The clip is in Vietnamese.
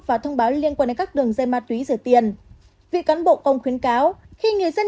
và thông báo liên quan đến các đường dây ma túy rửa tiền